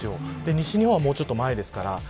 西日本は、もうちょっと前です。